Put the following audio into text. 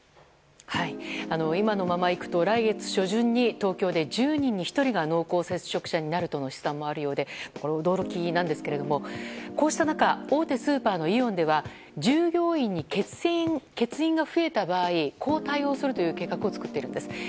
今のままいくと、来月初旬に東京で１０人に１人が濃厚接触者になるとの試算もあるようで驚きなんですがこうした中、大手スーパーのイオンでは従業員に欠員が増えた場合こう対応するという計画を作っているんです。